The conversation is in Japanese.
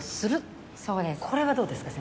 これはどうですか？